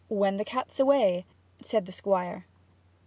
'When the cat's away !' said the Squire.